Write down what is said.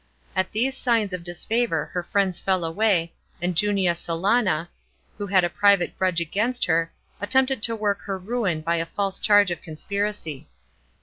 At these signs of disfavour her friends fell away, and Junia Silana,* who had a private grudge against her, attempted to work her ruin by a false charge of conspiracy.